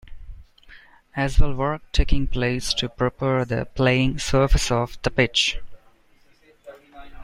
As well work taking place to prepare the playing surface of the pitch.